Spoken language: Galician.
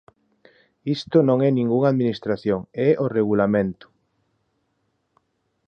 Isto non é ningunha administración, é o Regulamento.